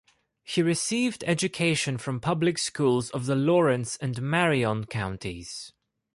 He received education from public schools of the Lawrence and Marion counties.